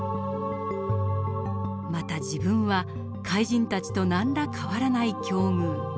また自分は怪人たちと何ら変わらない境遇。